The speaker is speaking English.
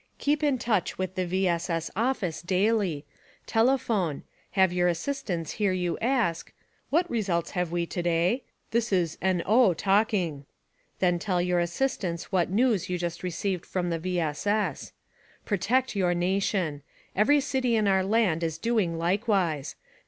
Keep in touch with the V. S. S. office daily; telephone; have your assistants hear you ask: "What results have we today? This is NO talking," Then tell your assistants what news you just received from the V. S. S. Protect your nation. Every city in our land is doing likewise.